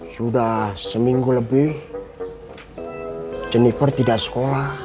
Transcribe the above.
sudah seminggu lebih jennifer tidak sekolah